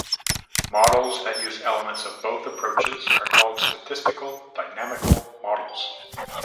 Models that use elements of both approaches are called statistical-dynamical models.